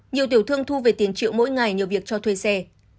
nhiều tiểu thương thu về tiền triệu mỗi ngày nhờ việc cho thuê xe